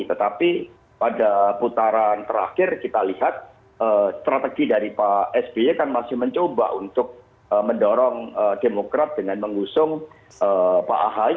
tetapi pada putaran terakhir kita lihat strategi dari pak sby kan masih mencoba untuk mendorong demokrat dengan mengusung pak ahy